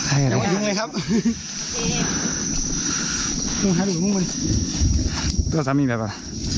อ้าวยุ่งเลยครับ